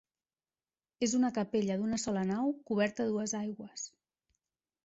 És una capella d'una sola nau, coberta a dues aigües.